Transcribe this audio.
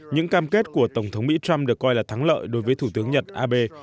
những cam kết của tổng thống mỹ trump được coi là thắng lợi đối với thủ tướng nhật abe